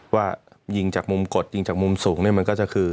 ว่ายิงจากมุมกดยิงจากมุมสูงเนี่ยมันก็จะคือ